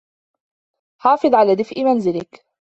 حافظ على دفئ منزلك.